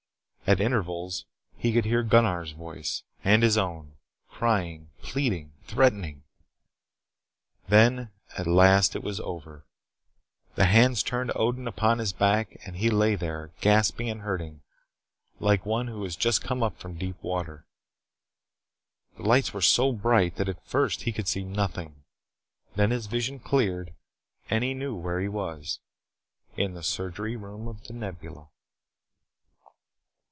At intervals, he could hear Gunnar's voice and his own crying, pleading, threatening. Then at last it was over. The hands turned Odin upon his back and he lay there, gasping and hurting, like one who has just come up from deep water. The lights were so bright that at first he could see nothing. Then his vision cleared and he knew where he was in the surgery room of the Nebula.